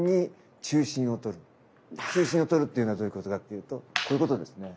中心をとるっていうのはどういうことかっていうとこういうことですね。